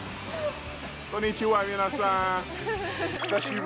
こんにちは、皆さん。